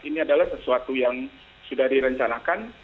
ini adalah sesuatu yang sudah direncanakan